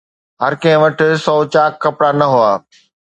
هر ڪنهن وٽ سؤ چاڪ ڪپڙا نه هئا